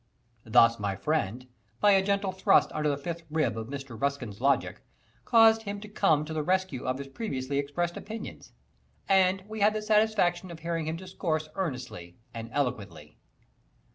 Thus, my friend, by a gentle thrust under the fifth rib of Mr. Ruskin's logic, caused him to come to the rescue of his previously expressed opinions, and we had the satisfaction of hearing him discourse earnestly and eloquently.